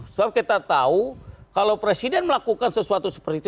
sebab kita tahu kalau presiden melakukan sesuatu seperti itu